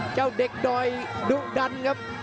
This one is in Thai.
เจ้าเด็กดอยดุดันครับ